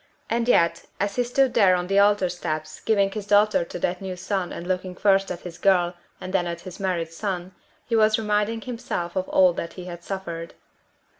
And yet, as he stood there on the altar steps giving his daughter to that new son and looking first at his girl, and then at his married son, he was reminding himself of all that he had suffered.